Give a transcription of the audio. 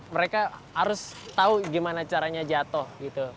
mereka harus tahu gimana caranya jatuh gitu